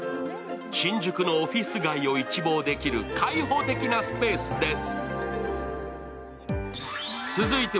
新宿のオフィス街を一望できる開放的なスペースです。